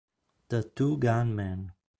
The Two-Gun Man